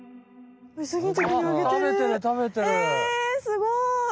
すごい！